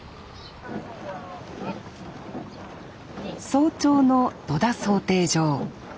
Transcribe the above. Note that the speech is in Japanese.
早朝の戸田漕艇場。